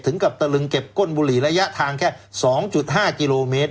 กับตะลึงเก็บก้นบุหรี่ระยะทางแค่๒๕กิโลเมตร